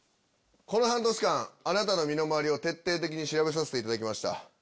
この半年間あなたの身の回りを徹底的に調べさせていただきました。